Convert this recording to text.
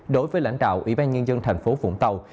đối với lãnh đạo ủy ban nhân dân thành phố vũng tàu